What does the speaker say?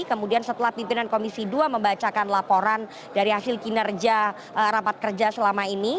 kemudian setelah pimpinan komisi dua membacakan laporan dari hasil kinerja rapat kerja selama ini